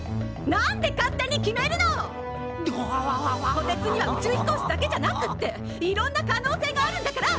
こてつには宇宙飛行士だけじゃなくっていろんな可能性があるんだから！